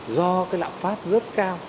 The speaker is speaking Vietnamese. do cái lạm pháp rất cao